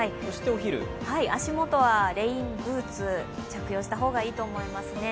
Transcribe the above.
お昼、足元はレインブーツを着用した方がいいと思います。